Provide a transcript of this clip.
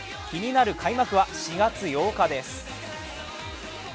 気になる開幕は４月８日です。